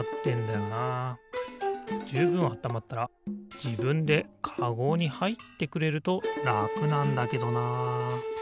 じゅうぶんあったまったらじぶんでカゴにはいってくれるとらくなんだけどな。